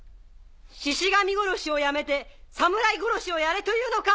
シシ神殺しをやめて侍殺しをやれというのか？